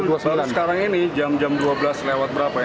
baru sekarang ini jam dua belas lewat berapa ini